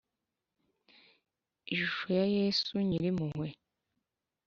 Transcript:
Ishusho ya Yesu nyirimpuhwe